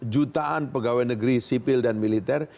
jutaan pegawai negeri sipil dan militer